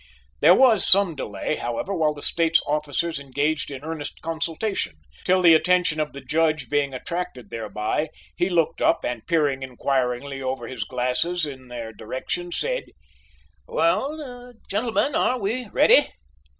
There was some delay, however, while the State's officers engaged in earnest consultation, till the attention of the Judge being attracted thereby, he looked up and peering inquiringly over his glasses in their direction said: "Well, gentlemen, are we ready?"